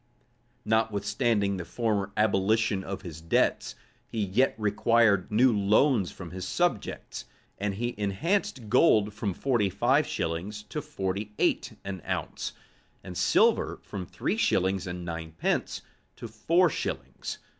Notwithstanding the former abolition of his debts, he yet required new loans from his subjects; and he enhanced gold from forty five shillings to forty eight an ounce, and silver from three shillings and nine pence to four shillings.